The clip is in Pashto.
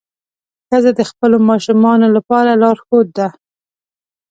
ښځه د خپلو ماشومانو لپاره لارښوده ده.